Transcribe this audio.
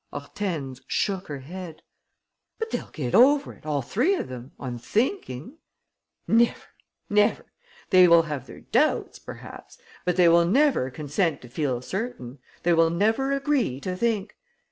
Hortense shook her head: "But they'll get over it, all three of them, on thinking!" "Never! Never! They will have their doubts, perhaps. But they will never consent to feel certain! They will never agree to think!